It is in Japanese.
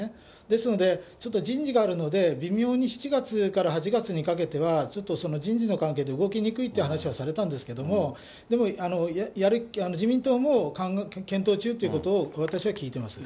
ですので、ちょっと人事があるので、微妙に７月から８月にかけては、ちょっと人事の関係で動きにくいって話はされたんですけど、でも自民党も検討中ということを私は聞いてます。